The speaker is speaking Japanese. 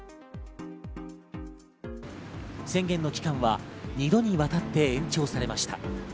宣言の期間は二度にわたって延長されました。